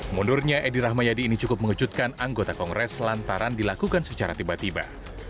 mundurnya edi rahmayadi ini cukup mengejutkan anggota kongres lantaran dilakukan secara tiba tiba